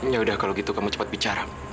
yaudah kalau gitu kamu cepat bicara